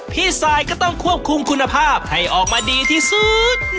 ทรายก็ต้องควบคุมคุณภาพให้ออกมาดีที่สุด